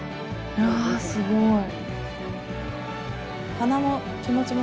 わあすごい。